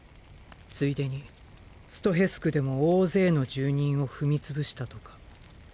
ついでにストヘス区でも大勢の住人を踏み潰したとか。